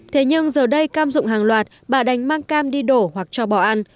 thế nhưng giờ đây cam dụng hàng loạt bà đà đánh mang cam đi đổ hoặc cho bỏ ăn